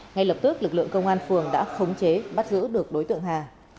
ngay lập tức lực lượng công an phường đã khống chế bắt giữ được đối tượng hà